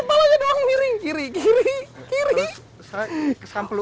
kira kira doang miring kiri kiri kiri